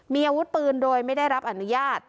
มีอาวุธปืนโดยไม่ได้รับอนุญาต